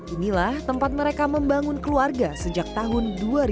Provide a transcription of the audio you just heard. inilah tempat mereka membangun keluarga sejak tahun dua ribu